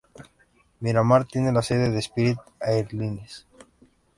Miramar tiene la sede de Spirit Airlines.